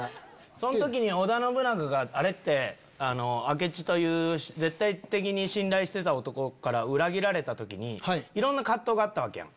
そん時に織田信長があれって明智という絶対的に信頼してた男から裏切られた時にいろんな藤があったわけやん。